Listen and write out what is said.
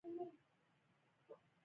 مینه او ناجیه هره ورځ روغتون ته تللې